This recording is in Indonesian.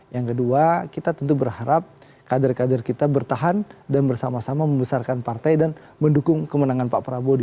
yang kedua kita tentu berharap kader kader kita bertahan dan bersama sama membesarkan partai dan mendukung kemenangan pak prabowo di dua ribu dua puluh empat